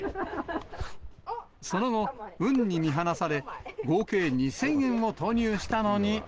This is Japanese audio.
その後、運に見放され、合計２０００円を投入したのに。